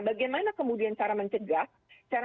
bagaimana kemudian cara mencegah cara